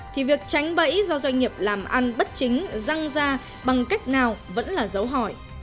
thì việc tránh bẫy do doanh nghiệp làm ăn bất chính răng ra bằng cách nào vẫn là dấu hỏi